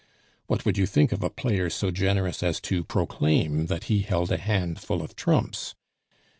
What would you think of a player so generous as to proclaim that he held a hand full of trumps?